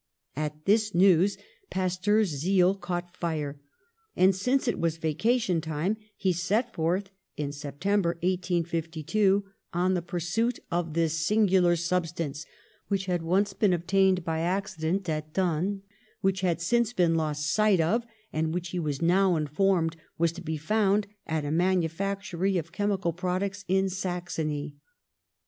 At this news Pasteur's zeal caught fire, and, since it was vacation time, he set forth, in September, 1852, on the pursuit of 42 PASTEUR this singular substance which had once been obtained by accident at Thann, which had since been lost sight of, and which he was nov/ in formed was to be found at a manufactory of chemical products in Saxony.